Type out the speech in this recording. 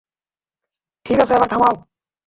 ঠিক আছে, এবার থামাও।